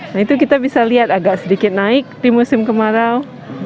nah itu kita bisa lihat agak sedikit naik di musim kemarau